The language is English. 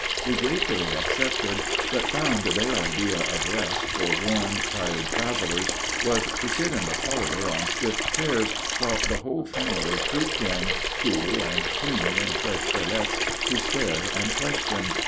We gratefully accepted, but found their idea of rest for warm, tired travelers was to sit in the parlor on stiff chairs while the whole family trooped in, cool and clean in fresh toilets, to stare and question.